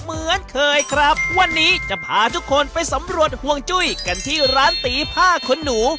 เหมือนเคยครับวันนี้จะพาทุกคนไปสำรวจห่วงจุ้ยกันที่ร้านตีผ้าขนหนู